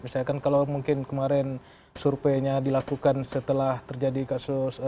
misalkan kalau mungkin kemarin surveinya dilakukan setelah terjadi kasus